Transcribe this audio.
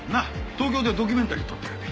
東京ではドキュメンタリー撮ったんやて。